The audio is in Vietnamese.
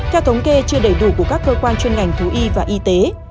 theo thống kê chưa đầy đủ của các cơ quan chuyên ngành thú y và y tế